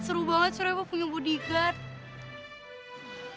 seru banget seru banget punya bodyguard